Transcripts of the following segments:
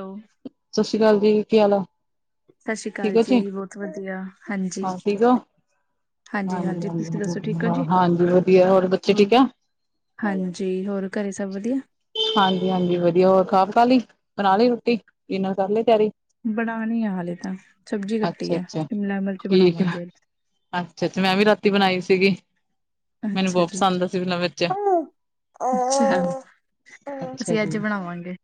ਲੋ ਸੱਸੀ ਕਾਲ ਜੀ, ਕੀ ਹਾਲ ਆ? ਸੱਸੀ ਠੀਕ ਕਾਲ ਹੋ ਜੀ ਬਹੁਤ ਵਧੀਆ, ਹਾਂਜੀ। ਹਾਂ ਠੀਕ ਹੋ ਹਾਂਜੀ, ਤੁਸੀਂ ਦੱਸੋ ਠੀਕ ਹੋ ਹਾਂ, ਜੀ ਹਾਂਜੀ ਵਧੀਆ ਹੋਰ, ਬੱਚੇ ਠੀਕ ਆ? ਹਾਂਜੀ, ਹੋਰ ਘਰੇ ਸਭ ਵਧੀਆ? ਹਾਂਜੀ-ਹਾਂਜੀ, ਵਧੀਆ ਹੋਰ ਖਾ-ਪਕਾ ਲਈ, ਬਣਾ ਲਈ ਰੋਟੀ, ਡਿਨਰ ਕਰਲੀ ਤਿਆਰੀ? ਬਣਾਣੀ ਆ ਹਾਲੇ ਤਾਂ, ਸਬਜ਼ੀ ਕੱਟੀ ਅੱਛਾ ਆ ਸ਼ਿਮਲਾ-ਮਿਰਚ ਬਣਾਵਾਂਗੇ ਅੱਜ। ਅੱਛਾ-ਅੱਛਾ, ਮੈਂ ਵੀ ਰਾਤੀ ਬਣਾਈ ਸੀਗੀ। ਮੈਨੂੰ ਅੱਛਾ ਬਹੁਤ ਜੀ ਪਸੰਦ ਆ ਸ਼ਿਮਲਾ-ਮਿਰਚ, ਹਾਂਜੀ। ਅੱਛਾ ਅੱਛਾ ਅਸੀਂ ਜੀ, ਅੱਜ ਬਣਾਵਾਂਗੇ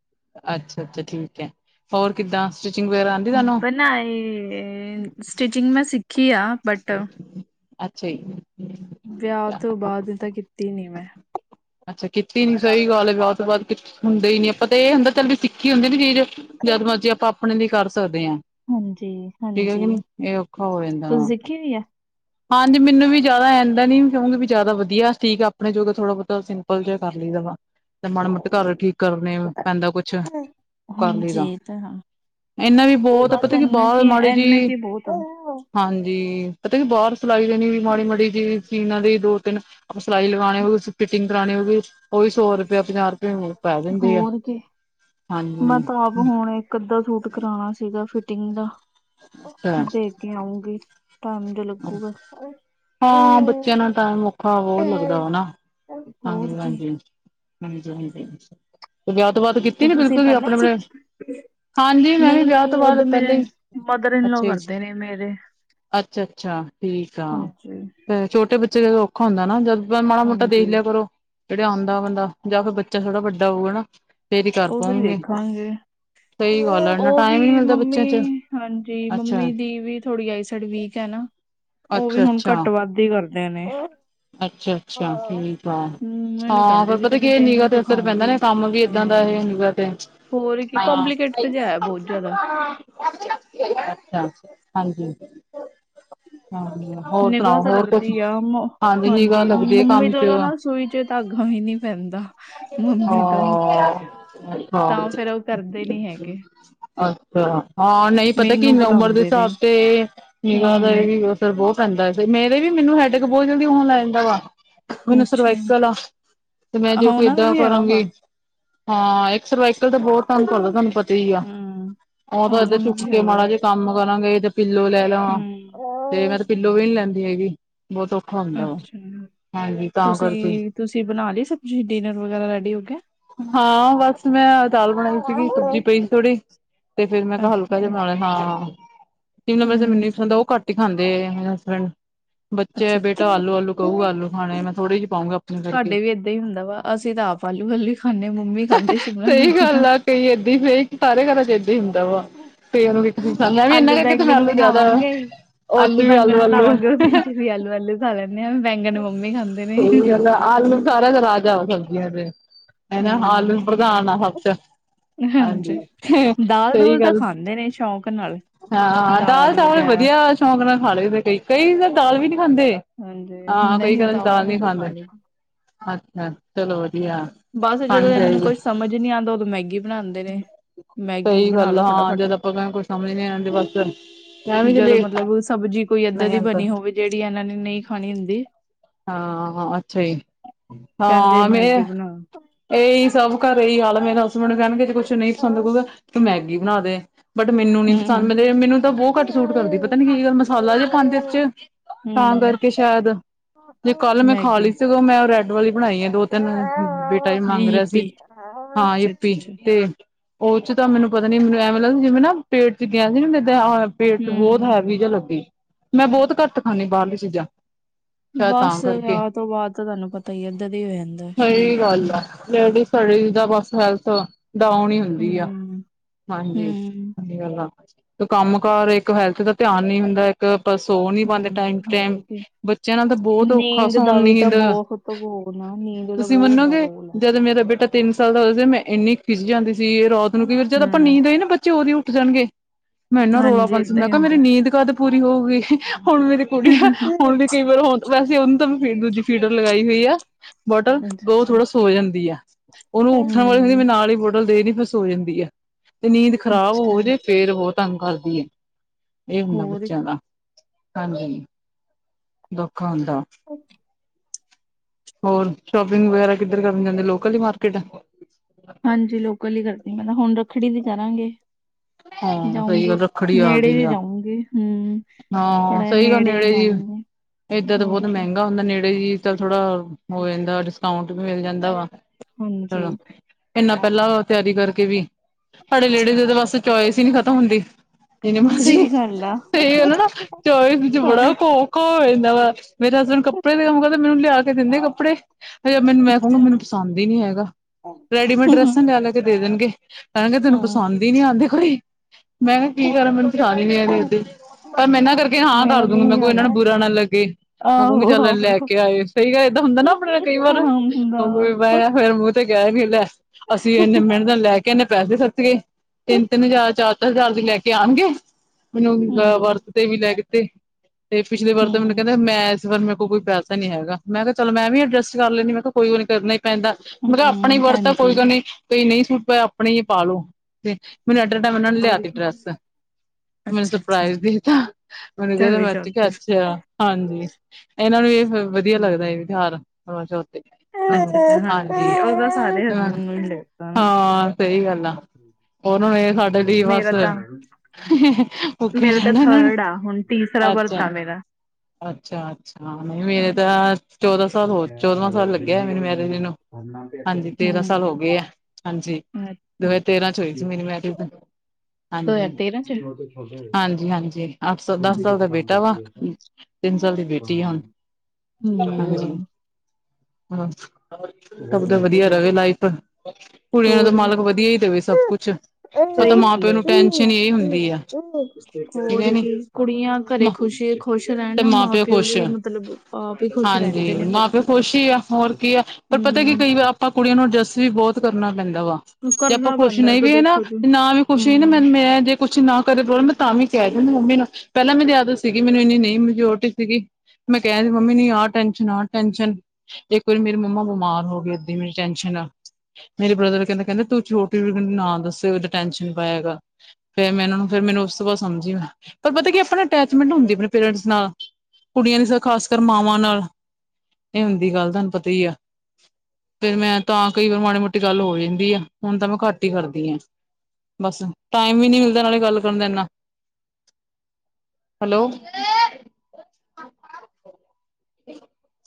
ਅੱਛਾ-ਅੱਛਾ ਠੀਕ ਐ। ਹੋਰ ਕਿੱਦਾਂ, ਸ੍ਟੀਚਿੰਗ ਵਗ਼ੈਰਾ ਆਂਦੀ ਤੁਹਾਨੂੰ? ਨਾ ਈ, ਸਟਿਚਿੰਗ ਮੈਂ ਸਿੱਖੀ ਆ। ਬਟ ਅੱਛਾ ਜੀ। ਵਿਆਹ ਤੋਂ ਬਾਅਦ ਤਾਂ ਕੀਤੀ ਨੀ ਮੈਂ। ਅੱਛਾ ਕੀਤੀ ਨੀ, ਸਹੀ ਗੱਲ ਏ, ਵਿਆਹ ਤੋਂ ਬਾਅਦ ਕਿ ਹੁੰਦੇ ਈ ਨੀ ਆਪਾ ਤਾਂ ਇਹ ਹੁੰਦਾ ਚੱਲ ਵੀ ਸਿੱਖੀ ਹੁੰਦੀ ਨ ਚੀਜ਼, ਜਦ ਮਰਜ਼ੀ ਆਪਾਂ-ਆਪਣੇ ਲਈ ਕਰ ਸਕਦੇ ਆਂ। ਹਾਂਜੀ ਠੀਕ ਹੈ ਕਿ ਨਹੀਂ, ਇਹ ਔਖਾ ਹੋ ਜਾਂਦਾ ਹਾਂ। ਖੀ ਹੋਈ ਐ। ਹਾਂਜੀ, ਮੈਨੂੰ ਵੀ ਜ਼ਿਆਦਾ ਐਂਦਾ ਨੀ, ਕਹੂੰਗੀ ਵੀ ਜਿਆਦਾ ਵਧੀਆ ਠੀਕ ਅਪਣੇ ਜੋਗੇ ਥੋੜਾ-ਬਹੁਤਾ ਅਸੀ ਪਲ ਜਿਆ ਕਰ ਲਈਦਾ ਵਾ। ਤੇ ਮਾੜੇ-ਮੋਟੇ ਘਰ ਠੀਕ ਕਰਨੇ ਪੈਂਦਾ ਕੁਛ, ਕਰ ਲਈ ਹਾਂਜੀ ਦਾ। ਇਹ ਤਾਂ ਹਾਂ ਏਨਾ ਵੀ ਬਹੁਤ, ਬਸ ਪਤਾ ਕੀ ਇੰਨਾ ਬਾਹਰ ਮਾੜੀ ਜੀ ਇੰਨਾ ਕੀ ਬਹੁਤ ਆ ਹਾਂਜੀ, ਪਤਾ ਕੀ ਬਾਹਰ ਸਿਲਾਈ ਦੇਣੀ ਵੀ ਮਾੜੀ-ਮਾੜੀ ਜੀ ਸੀਣਾ ਦੀ ਦੋ-ਤਿੰਨ ਆਪਾਂ ਸਿਲਾਈ ਲਗਾਣੀ ਹੋਗੀ, ਫਿਟਿੰਗ ਕਰਾਣੀ ਹੋਗੀ। ਉਹੀ ਸੌ ਰੁਪਇਆ, ਪੰਜਾਹ ਰੁਪਏ ਕਹਿ ਦਿੰਦੇ ਆ, ਹੋਰ ਕੀ ਮੈਂ ਹਾਂਜੀ। ਤਾਂ ਆਪ ਹੁਣ ਇੱਕ ਅੱਧਾ ਸੂਟ ਕਰਾਨਾਂ ਸੀਗਾ ਫਿਟਿੰਗ ਦਾ, ਅੱਛਾ ਦੇਕੇ ਆਊਂਂਗੀ। ਟਾਈਮ ਜੋ ਲੱਗੂਗਾ‌। ਹਾਂ, ਬੱਚਿਆਂ ਨਾਲ ਤਾਂ ਔਖਾ ਬਹੁਤ ਲੱਗਦਾ ਵਾ ਨਾ, ਹੋਰ ਕੀ ਹਾਂਜੀ-ਹਾਂਜੀ। ਹਾਂਜੀ-ਹਾਂਜੀ, ਤੇ ਵਿਆਹ ਤੋਂ ਬਾਦ ਕੀਤੀ ਤੇ ਨੀ ਤੁਸੀਂ ਬਿਲਕੁਲ ਵੀ ਪਹਿਲਾਂ ਹੀ ਅਪਣੇ-ਅਪਣੇ ਸਿੱਖ ਹਾਂਜੀ, ਮੈਂ ਵੀ ਨਹੀਂ ਵਿਆਹ ਤੋਂ ਨਹੀਂ ਬਾਅਦ ਉਧਰ ਮੇਰੇ ਪਹਿਲਾਂ ਹੀ ਮਦਰ ਇਨ ਲਾ ਅੱਛਾ ਜੀ, ਕਰਦੇ ਨੇ ਮੇਰੇ ਅੱਛਾ-ਅੱਛਾ। ਅੱਛਾ, ਠੀਕ ਆ ਹਾਂਜੀ ਤੇ ਛੋਟੇ ਬੱਚੇ ਕ ਔਖਾ ਹੁੰਦਾ ਨਾ, ਜਦ ਮਾੜਾ-ਮੋਟਾ ਦੇਖ ਹਾਂਜੀ ਲਿਆ ਕਰੋ। ਜਿਹੜੇ ਆਉਂਦਾ ਬੰਦਾ, ਜਾਂ ਫਿਰ ਬੱਚਾ ਥੋੜਾ ਵੱਡਾ ਹੋਊਗਾ ਨਾ। ਫੇਰ ਹੀ ਕਰ ਓਦੋਂ ਈ ਪਾਉਂਗੇ। ਵੇਖਾਂਗੇ ਸਹੀ ਗੱਲ ਆ - ਇਨਾ ਉਹ ਵੀ ਟਾਈਮ ਹੀ ਨੀ ਮਿਲਦਾ ਮੰਮੀ, ਬੱਚਿਆਂ ਚ ਹਾਂਜੀ ਅੱਛਾ, ਮੰਮੀ ਦੀ ਵੀ- ਥੋੜ੍ਹੀ ਆਈਸਾਈਡ ਵੀਕ ਹੈ ਨਾ ਉਹ ਵੀ ਹੁਣ ਅੱਛਾ-ਅੱਛਾ। ਘੱਟ ਵੱਧ ਹੀ ਵਰਦੇ ਨੇ- ਅੱਛਾ - ਅੱਛਾ ਹਮ ਠੀਕ ਆ, ਮੈਨੂੰ ਹਾਂ ਕਹਿੰਦੇ ਫਿਰ ਸੀ ਪਤਾ ਕਹਿੰਦੇ ਕੀ ਤੈਨੂੰ ਨਿਗਾਹ ਤੇ ਅਸਰ ਪੈਂਦਾ ਨਾ ਸਿਖਾਉਂਗੀ ਇਹ ਕੰਮ ਵੀ ਇਦਾਂ ਦਾ ਹਾਂ ਇਹ ਨਿਗਾਹ ਤੇ ਅੱਛਾ, ਹੋਰ ਕੀ ਕੌਮਪਲੀਕੇਟਡ ਜਿਹਾ ਹੈ ਬਹੁਤ ਜ਼ਿਆਦਾ ਹਾਂਜੀ - ਨਿਗਾਹ ਤਾਂ ਲੱਗਦੀ ਆ, ਨਿਗਾਹ ਹਾਂਜੀ ਲੱਗਦੀ ਹੈ ਮੰਮੀ ਕੰਮ ਚ ਤੋਂ ਤਾਂ ਨਾ ਸੂਈ ਚ ਧਾਗਾ ਹੀ ਨੀ ਪੈਂਦਾ- ਮੰਮੀ ਤੋਂ ਹਾਂਅ ਤਾਂ ਅੱਛਾ ਫੇਰ ਉਹ ਕਰਦੇ ਨੀ ਹੈਗੇ - ਅੱਛਾ, ਹਾਂ ਨਹੀਂ ਪਤਾ ਕੀ ਮੈਨੂੰ ਉਮਰ ਦੇ ਬੁਲਾਉਂਦੇ ਨੇ ਹਿਸਾਬ ਤੇ ਦਾ ਹਮ ਇਹ ਅਸਰ ਬਹੁਤ ਪੈਂਦਾ, ਮੇਰੇ ਵੀ ਮੈਨੂੰ ਹੈਡਕ ਬਹੁਤ ਜਲਦੀ ਹੋਣ ਲੈ ਜਾਂਦਾ - ਮੈਨੂੰ ਅੱਛਾ ਸਰਵਾਈਕਲ ਆ, ਤੇ ਮੈਂ ਆਹੋ ਡਿਉਟੀ ਉਹਨਾਂ ਨੂੰ ਏਦਾਂ ਵੀ ਹੈਗਾ ਵਾ ਕਰਾਂਗੀ ਹਾਂ, ਐ ਸਰਵਾਈਕਲ ਦਾ ਬਹੁਤ ਤੰਗ ਕਰਦਾ ਤੁਹਾਨੂੰ ਪਤ ਠੀਕ ਆ ਹਮ ਉਹ ਤਾਂ ਏਧ ਉਹਨਾਂ ਨੂੰ ਚੁੱਕ ਵੀ ਕੇ ਹੈਗਾ ਮਾੜਾ ਜਿਹੇ ਕੰਮ ਕਰਾਂਗੇ ਇਹ ਤੇ ਪਿੱਲੋ ਲੈ ਲਾਂ ਹਮ ਪਿਲੋ ਨੀ ਲੈਂਦੀ ਹੈਗੀ ਵੋ ਤੋ ਅੱਛਾ, ਕਰਕੇ ਤੁਸੀਂ- ਤੁਸੀਂ ਬਣਾ ਲੀ ਸਬਜ਼ੀ ਡਿਨਰ ਵਗੈਰਾ ਰੈਡੀ ਹੋ ਗਿਆ- ਹਾਂ, ਬਸ ਮੈਂ ਦਾਲ ਬਣਾਈ ਸੀਗੀ ਸਬਜ਼ੀ ਪਈ ਸੀ ਥੋੜੀ- ਅੱਛਾ ਹਮ ਸਹੀ [unintelligible] ਘੱਟ ਈ ਖਾਂਦੇ ਐ ਮੇਰੇ ਹਸਬੈਂਡ ਬੱਚੇ ਆ ਅੱਛਾ ਬੇਟਾ ਆਲੂ, ਆਲੂ ਕਹੂਗਾ ਆਲੂ ਅੱਛਾ ਖਾਣੇ ਮੈਂ ਥੋੜੇ ਜਿਹੇ ਪਾਊ ਆਪਣੇ ਕਰਕੇ ਆਪਾਂ ਆਲੂ ਆਲੂ ਈ ਖਾਨੇ ਆ ਮੰਮੀ ਖਾਂਦੇ ਸ਼ਿਮਲਾ ਮਿਰਚ ਤਾਂ ਨਾ ਕਹਿਏ ਏਦਾਂ ਈ, ਸਾਰੇ ਘਰਾਂ ਚ ਇੱਦਾਂ ਹੀ ਹੁੰਦਾ ਵਾ ਤੇ ਉਹਨੂੰ ਇੱਕ ਚੀਜ਼ ਪਸੰਦ ਮੈਂ ਵੀ ਇਹਨਾਂ ਆਲੂ, ਕਰਕੇ ਤੇ ਮੈਂ ਬੈਂਗਣ ਆਲੂ ਜ਼ਿਆਦਾ ਬਣਾਵਾਂਗੇ। ਉਹ ਚ ਆਲੂ, ਵੀ ਬੈਂਗਣ ਆਲੂ ਬਣਾਵਾਂਗੇ ਉਹਦੇ 'ਚ ਵੀ ਆਲੂ-ਆਲੂ ਖਾ ਲੈਂਨੇ ਆ ਬੈਂਗਣ ਮੰਮੀ ਖਾਂਦੇ। ਨੇ [unintelligible] ਆਲੂ ਸਾਰੀਆਂ ਰਾਜਾ ਸਬਜ਼ੀਆਂ 'ਚ ਹੈ ਨਾ ਹਮ ਆਲੂ ਈ ਪ੍ਰਧਾਨ ਐ ਸੱਚ ਹਾਂਜੀ, ਦਾਲ-ਦੂਲ ਤਾਂ ਗੱਲ। ਖਾਂਦੇ ਨੇ ਸ਼ੌਕ ਨਾਲ ਹਾਂ ਦਾਲ ਚਾਵਲ ਵਧੀਆ ਸ਼ੌਂਕ ਨਾਲ ਖਾ ਲਈ ਦੇ, ਕਈ ਤਾਂ ਦਾਲ ਵੀ ਨੀ ਖਾਂਦੇ ਹਾਂਜੀ ਹਾਂ ਕਈ ਨਹੀਂ ਘਰਾਂ 'ਚ ਦਾਲ ਨੀ ਦੂਲ ਤਾਂ ਖਾ ਖਾਂਦੇ, ਲਈ ਅੱਛਾ ਚਲੋ ਵਧੀਆ ਬਸ ਜਦੋਂ ਖਾਣੀ ਇਹਨਾਂ ਨੂੰ ਚਾਹੀਦੀ ਕੁਛ ਸਮਝ ਨੀ ਆਦਾ ਉਦੋਂ ਮੈਗੀ ਬਣਾਉਂਦੇ ਨੇ ਮੈਗੀ ਸਹੀ ਬਣਾ ਗੱਲ ਲੋ ਆ ਹਾਂ ਫਟਾਫਟ ਜਦ ਆਪਾਂ ਕੁਛ ਸਮਝ ਨਹੀਂ ਆਂਦੀ ਬਸ ਐਵੇਂ ਜੇ ਜਦੋਂ ਲੇਟ ਮਤਲਬ ਸਬਜ਼ੀ ਕੋਈ ਏਦਾਂ ਨਹੀਂ ਬਣੀ ਅੰਕਲ ਹੋਵੇ ਜਿਹੜੀ ਇਹਨਾਂ ਨੇ ਨਹੀਂ ਖਾਣੀ ਹੁੰਦੀ। ਹਾਂ ਅੱਛਾ ਜੀ, ਕਹਿੰਦੇ ਹਾਂ ਮੈਂ ਮੈਗੀ [inaudible] ਇਹੀ ਸਭ ਘਰੇ ਆਹੀ ਹਾਲ ਮੇਰੇ ਹਸਬੈਂਡ ਕਹਿਣਗੇ ਜੇ ਕੁਛ ਨਹੀਂ ਪਸੰਦ, ਕਹੋਗਾ ਮੈਗੀ ਬਣਾ ਦੇ ਬਟ ਮੈਨੂੰ ਨੀ ਹੂੰ ਪਸੰਦ ਮੈਨੂੰ ਤਾਂ ਬਹੁਤ ਘੱਟ ਸੂਟ ਕਰਦੀ ਆ, ਪਤਾ ਨੀ ਕੀ ਗੱਲ ਮਸਾਲਾ ਜਾ ਪਾਉਂਦੇ ਵਿੱਚ ਤਾਂ ਕਰਕੇ ਸ਼ਾਇਦ, ਜੇ ਕੱਲ ਹੂੰ ਮੈਂ ਖਾ ਮੈਗੀ ਲਈ ਸੀ ਮੈਂ ਰੈਡ ਇਕ ਵਾਰੀ ਬਣਾਈ ਹੈ ਦੋ ਤਿੰਨ ਬੇਟਾ ਜੀ ਮੰਗ ਰਿਹਾ ਸੀ ਯੀਪੀ ਹਾਂ ਅੱਛਾ ਅੱਛਾ ਯਪੀ ਅੱਛਾ ਤੇ ਉਹ 'ਚ ਤਾਂ ਮੈਨੂੰ ਪਤਾ ਨੀ ਮੈਨੂੰ ਐਵੇਂ ਲੱਗਦਾ ਸੀ ਜਿਵੇਂ ਨਾ ਪੇਟ 'ਚ ਗੈਸ ਜਾ ਪੇਟ ਬਹੁਤ ਹੂੰ ਹੈਵੀ ਜਾ ਲੱਗੇ। ਮੈਂ ਬਹੁਤ ਘੱਟ ਖਾਨੀ ਆ ਬਾਹਰਲੀ ਚੀਜ਼ਾਂ ਸ਼ਾਇਦ ਬਸ ਤਾਂ ਕਰਕੇ ਵਿਆਹ ਤੋਂ ਬਾਅਦ ਤਾਂ ਤੁਹਾਨੂੰ ਪਤਾ ਈ ਐ, ਐਦਾਂ ਹੀ ਹੋ ਜਾਂਦਾ ਸਹੀ ਸਰੀਰ [unintelligible] ਡਾਊਨ ਈ ਹੁੰਦੀ ਆ ਹੂੰ ਹਾਂਜੀ, ਹੂੰ ਸਹੀ ਗੱਲ ਐ ਤੇ ਕੰਮ-ਕਾਰ ਇੱਕ ਹੈਲਥ ਦਾ ਧਿਆਨ ਨੀ ਹੁੰਦਾ। ਆਪਾਂ ਸੋ ਨੀ ਪਾਂਦੇ ਟਾਈਮ ਟੂ ਹੂੰ ਟਾਈਮ, ਹੋਰ ਕੀ ਬੱਚਿਆਂ ਨਾਲ ਤਾਂ ਬਹੁਤ ਔਖਾ ਸੋਣ ਨੀਂਦ ਤੇ ਹੋਰ ਨਾ ਨੀਂਦ ਇਹਦਾ ਤੁਸੀਂ ਬਹੁਤ ਵੱਡਾ ਮੰਨੋਗੇ ਰੋਲ ਆ। ਜਦ ਮੇਰਾ ਬੇਟਾ ਤਿੰਨ ਸਾਲ ਦਾ ਹੋਇਆ ਸੀ, ਮੈਂ ਇੰਨੀ ਖਿੱਜ ਜਾਂਦੀ ਸੀ ਇਹ ਰਾਤ ਮੈਨੂੰ ਕਈ ਵਾਰੀ ਜਦੋਂ ਆਪਾਂ ਹੂੰ ਨੀਂਦ ਆਈ ਨਾ, ਬੱਚੇ ਓਦੇ ਉੱਠ ਜਾਨਗੇ। ਮੈਂ ਏੰਨਾ ਰੌਲਾ ਹਾਂਜੀ ਪਾਂਦੀ ਸੀ, ਏਦਾਂ ਮੈਂ ਹੀ ਕੇਆ, ਹੁੰਦਾ ਮੇਰੀ ਨੀਂਦ ਕਦ ਪੂਰੀ ਹੋ ਗਈ, ਹੁਨ ਮੇਰੀ ਕੁੜੀ ਆ, ਹੁਨ ਵੀ ਕਈ ਵਾਰ ਹੋਨ ਵੈਸੇ ਹੁਨ- ਸਬ ਫੀਜ਼ਰ ਦੀ ਫਿਲਟਰ ਲਗਾਈ ਹੋਈ ਆ, ਬੋਟਲ, ਅੱਛਾ ਦੋ ਅੱਛਾ ਥੋਰਸ। ਸੋ ਜਾਂਦੀ ਆ, ਓਨੂੰ ਉੱਠਣ ਵਾਲੀ ਹੂੰ ਨਾਲ ਈ ਬੋਟਲ ਦੇਨੀ ਫੇਰ ਸੋ ਜਾਂਦੀ ਆ। ਤੇ ਨੀਂਦ ਖ਼ਰਾਬ ਹੋ ਅੱਛਾ ਜੇ ਫੇਰ ਉਹ ਤੰਗ ਕਰਦੀ ਆ, ਏਅ ਹੁੰਦਾ ਬੱਚਿਆਂ ਹੋਰ ਦਾ ਹਾਂਜੀ, ਦੁੱਖ ਆਂਉਦਾ। ਹੋਰ, ਸ਼ੋਪਿੰਗ ਵਗੈਰਾ ਕਿੱਧਰ ਕਰਨ ਜਾਂਦੇ? ਲੋਕਲ ਈ ਮਾਰਕੀਟ। ਹਾਂਜੀ, ਲੋਕਲ ਈ ਕਰਦੀ ਮੈਂ ਤਾਂ, ਹੁਨ ਰੱਖੜੀ 'ਤੇ ਜਾਵਾਂਗੇ। ਹਾਂ ਸਹੀ ਜਾਊਂਗੇ, ਗੱਲ ਰੱਖੜੀ ਆ ਨੇੜੇ ਗਈ ਵੀ ਆ ਜਾਊਂਗੀ। ਹੂੰ, ਹਾਂ ਥੋੜਾ ਜਾ ਸਹੀ ਗੱਲ ਨੇੜੇ ਜੀ ਜਾਊਂਗੇ। ਏਦਾਂ ਤਾਂ ਬੋਤ ਮੈੰਗਾ ਹੁੰਦਾ ਨੇੜੇ ਜੀ। ਚਲ, ਥੋੜਾ ਹੋ ਜਾਂਦੈ, ਡਿਸਕਾਊਂਟ ਵੀ ਮਿਲ ਜਾਂਦੈ ਵਾ, ਹਾਂਜੀ ਚਲੋ। ਇੰਨਾ ਪੈਲਾਂ ਤਿਆਰੀ ਕਰਕੇ ਵੀ, ਸਾਡੇ ਲੇਡੀਜ਼ ਤਾਂ ਬਸ ਚੋਇਸ ਈ ਨੀ ਖਤਮ ਹੁੰਦੀ। ਜਿਨੇ ਮਰਜੀ, ਸਹੀ ਗੱਲ ਆ 'ਤੇ ਉਨਾਂ ਨਾ ਚੋਇਸ 'ਚ ਬੜਾ ਹੋਰ ਖੋਫ। ਹੋ ਜਾਂਦਾ ਵਾ, ਮੇਰੇ ਹਸਬੈਂਡ ਕੱਪੜੇ ਦੇ ਕੰਮ ਕਰਦਾ, ਮੈਨੂੰ ਲਿਆ ਕੇ ਦਿੰਦੇ ਕੱਪੜੇ। ਹਜੇ ਮੈਨੂੰ ਮੈਂ ਕਹੂੰਗੀ, ਮੈਨੂੰ ਪਸੰਦ ਈ ਨੀ ਹੈਗਾ, ਰੈਡੀਮੇਡ ਡਰੈਸਾਂ ਲਿਆ-ਲਿਆ ਕੇ ਦੇ ਦੇਨਗੇ। ਕਹਿਨਗੇ ਤੈਨੂੰ ਹਾਂ ਪਸੰਦ ਨੀ ਆਂਦੇ ਕੋਈ, ਮੈਂ ਕੇਆ ਕੀ ਕਰਾਂ ਮੈਨੂੰ ਪਛਾਨ ਨੀ ਹੈ ਐਦੀ ਓਦੀ। ਪਰ ਮੈਂ ਇਨਾਂ ਕਰਕੇ ਹਾਂ ਮੇਰਾ ਕਰ ਵੀ ਦੂੰਗੀ, ਮੈਂ ਇਹੀ ਕੋ ਹਾਲ ਇਨਾਂ ਆ ਨੂੰ ਬੁਰਾ ਨਾ ਲੱਗੇ। ਮੈਂ ਕਹੂੰਗੀ ਆਹੋ ਚੱਲਂ ਲੈ ਆਹੋ ਕੇ ਆਏ, ਸਹੀ ਗੱਲ ਏਦਾਂ ਹੁੰਦਾ ਨਾ ਅਪਨੇ ਨਾਲ ਕਈ ਆਹ ਵਾਰ। ਹੁੰਦਾ ਵਾ [unintelligible] ਤੇ ਗਏ ਵੀ ਲੈ, ਅਸੀਂ ਏੰਨੇ ਮਹਿੰਗੇ ਲੈ ਕੇ ਏਨੇ ਪੈਸੇ ਖਰਚ ਗੇ। ਤਿੰਨ-ਤਿੰਨ ਹਜ਼ਾਰ, ਚਾਰ-ਚਾਰ ਹਜ਼ਾਰ ਦੇ ਲੈ ਕੇ ਆਨਗੇ, ਮੈਨੂੰ ਅ ਹੂੰ ਵਰਤ ਤੇ ਵੀ ਲੈ ਕੇ ਦਿੱਤੇ। 'ਤੇ ਪਿਛਲੇ ਵਰਤ ਤੇ ਮੈਨੂੰ ਕੈਂਦੇ ਹੂੰ ਮੈ ਸਰ, ਮੇਰੇ ਕੋਲ ਕੋਈ ਪੈਸਾ ਨੀ ਹੈਗਾ, ਮੈ ਕੇਆ, ਚਲ ਮੈਂ ਵੀ ਅਡਜਸਟ ਕਰ ਲੈਂਨੀ, ਮੈਂ ਕੇਆ ਕੋਈ ਗਲ ਨੀ ਕਰਨਾ ਈ ਪੈਂਦਾ।। ਮਤਲਬ ਆਪਨਾ ਈ ਹੂੰ ਵਰਤ ਆ, ਹਾਂਜੀ ਕੋਈ ਗੱਲ ਨੀ, ਕਈ ਨਈ ਸੂਟ ਪਾਇਆ ਆਪਨਾ ਈ ਪਾ ਲੋੋ, 'ਤੇ ਮੈਨੂੰ ਐਡਾ ਵਡਾ ਏੰਨਾ ਨੇ ਲਿਆ ਹੋਰ ਤੀ ਕੀ। ਡਰੈਸ, ਮੈਨੂੰ ਅੱਛਾ ਅੱਛਾ ਸਰਪ੍ਰਾਈਜ਼ ਦੇ ਤਾ। ਮੈਨੂੰ ਕੈਂਦਾ, ਕਰਵੀ ਮੈ ਚੌਥ ਹਸਤੀ ਤੇ ਘਾਸ 'ਚ ਹਾਂ, ਹਾਂਜੀ, ਏੰਨਾਂ ਨੂੰ ਏਅ ਫਿਰ ਵਦੀਆ ਲੱਗਦਾ ਹੂੰ ਏਅ ਤੇਂਓਹਾਰ। ਕਰਵਾਚੋਥ 'ਤੇ? ਅੱਛਾ ਆਹੋ, ਅੱਛਾ ਹਾਂਜੀ, ਉਹਦਾ ਸਾਰੇ ਹਸਬੈਂਡ ਨੂੰ ਹੀ ਲੱਗਦਾ ਨਾ। ਹਾਰ। ਸਹੀ ਗੱਲ ਆ। ਓਨਾਂ ਨੂੰ ਏਅ ਸਾਡੇ ਲਈ ਵਸ, ਮੇਰਾ ਤਾਂ ਭੁੱਖੇ ਮੇਰਾ ਤਾਂ ਰਹਿਨਾ ਇੰਨਾਂ ਨੇ, ਥਰਡ ਆ ਹੁਣ ਤੀਸਰਾ ਵਰਤ ਅੱਛਾ। ਆ ਮੇਰਾ ਅੱਛਾ-ਅੱਛਾ, ਨਈ ਮੇਰੇ ਹਾਂਜੀ। ਤਾਂ ਚੌਦਾਂ ਸਾਲ ਹੋ, ਚੋਦਵਾ ਸਾਲ ਲੱਗਿਆ ਮੇਰੀ ਮੈਰਿਜ ਨੂੰ। ਹਾਂਜੀ, ਤੇਰਾਂ ਸਾਲ ਹੋ ਹੂੰ ਗਏ ਆ ਹਾਂਜੀ। ਦੋ ਹਜ਼ਾਰ ਤੇਰਾਂ 'ਚ ਹੋਈ ਸੀ ਮੇਰੀ ਮੈਰਿਜ। ਦੋ ਹਾਂਜੀ, ਹਜ਼ਾਰ ਤੇਰਾਂ ਚ ਹਾਂਜੀ-ਹਾਂਜੀ, ਅੱਠ ਸ ਦਸ ਸਾਲ ਦਾ ਬੇਟਾ ਵਾ। ਤਿੰਨ ਸਾਲ ਦੀ ਬੇਟੀ ਆ, ਹਾਂਜੀ। ਹੂੰ ਹਾਜੀ, ਕੱਲ ਤੋ ਵਦੀਆ ਰਵੇ ਲਾਈਫ। ਕੁੜੀਆਂ ਨੂੰ ਤਾਂ ਹੋਰ ਕੀ। ਮਾਲਕ ਵਦੀਆ ਈ ਦੇਵੇ ਸਭ ਕੁਛ। ਪਤਾ ਸਹੀ ਮਾਂ ਗੱਲ ਪਿਓ ਐ, ਨੂੰ ਟੈਨਸ਼ਨ ਇਹੀ ਹੁੰਦੀ ਆ ਠੀਕ ਹੋਰ ਹੈ ਨੀ ਕੀ। ਕੁੜੀਆਂ ਘਰੇ ਖੁਸ਼ੀ ਇਕ। ਖੁਸ਼ ਰੈਂਨ ਤੇ ਨਾ ਮਾਂ -ਪਿਓ ਖੁਸ਼ ਵੀ ਆ ਮਤਲਬ, ਆਪ ਈ ਖੁਸ਼ ਹਾਂਜੀ ਰੈਂਦੇ ਨੇ ਮਾਂ ਫਿਰ। ਪਿਓ ਖੁਸ਼ ਹੀ ਆ ਹੋਰ ਕੀ ਆ ਪਰ ਪਤਾ ਕੀ ਹੂੰ ਕਈ ਵਾਰ ਆਪਾਂ ਕੁੜੀਆਂ ਨੂੰ, ਐਡਜਸਟ ਵੀ ਬੋਤ ਕਰਨਾ ਪੈਂਦਾ ਵਾ। ਜੇ ਆਪਾਂ ਕਰਨਾ ਖੁਸ਼ ਪੈਂਦਾ ਇਹ ਨਈ ਤਾਂ ਵੀ ਏ ਨਾ, ਦੇਖੋ ਜੀ ਨਾ ਵੀ ਖੁਸ਼ੀ ਹਮ ਮੈਨ ਮੈ ਏ ਜੇ। ਕੁੱਛ ਨਾ ਘਰੇ ਬੋਲਣ ਮੈਂ ਤਾਂ ਵੀ ਕਹਿ ਦਿੰਦੀ ਮੰਮੀ ਨੂੰ, ਪਹਿਲਾਂ ਮੈਂਨੂੰ ਆਦਤ ਸੀਗੀ ਮੈਨੂੰ ਇੰਨੀ ਨਹੀਂ ਮਿਜਉਰਟੀ ਸੀਗੀ, ਮੈਂ ਕਹਿ ਦਿੰਦੀ, ਮੰਮੀ ਨੀ ਆਹ ਟੈਨਸ਼ਨ, ਆਹ ਟੈਂਨਸ਼ਨ। ਇੱਕ ਵਾਰੀ ਮੇਰੀ ਮੰਮਾ ਬਿਮਾਰ ਹੋ ਗਏ ਏਦਾ ਈ ਮੇਰੀ ਟੈਨਸ਼ਨ ਨਾਲ। ਮੇਰੇ ਬ੍ਰਦਰ ਕੈਦਾ, ਕੈਦੇ ਤੂੰ ਛੋਟੀ [unintelligible] ਨਾ ਦੱਸੇਓ ਦਾ ਟੈਂਸ਼ਨ ਪਾਏਗਾ। ਫੇ ਮੈਂ ਏਨਾਂ ਨੂੰ ਫੇਰ ਮੇਨੂੰ ਓਸ ਤੋਂ ਬਾਦ ਸਮਝੀ ਮੈਂ, ਪਰ ਪਤਾ ਕੀ ਆਪਾ ਨਾ ਟੈਚਮੈਂਟ ਹੁੰਦੀ ਅਪਨੇ ਪੇਰੈਂਸ ਨਾਲ, ਕੁੜੀਆਂ ਦੀ ਸਾ ਖਾਸ ਕਾਰ ਮਾਵਾਂ ਨਾਲ ਨੀ ਹੁੰਦੀ ਗਾਲ ਤਾਨੂੰ ਪਤਾ ਈ ਆ। ਫੇਰ ਮੈਂ, ਤਾਂ ਕਈ ਵਾਰ ਮਾੜੀ-ਮੋਟੀ ਗੱਲ ਹੋ ਜਾਂਦੀ ਆ, ਹੁਨ ਤਾਂ ਮੈਂ ਘੱਟ ਈ ਕਰਦੀ ਆਂਂ। ਬਸ, ਟਾਈਮ ਈ ਨੀ ਮਿਲਦਾ ਨਾਲੇ ਗੱਲ ਕਰਨ ਦਾ ਐਨਾ, ਹੈਲੋ। [inaudible]